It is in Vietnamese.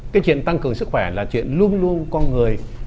cái chuyện tăng cường sức khỏe là chuyện luôn luôn con người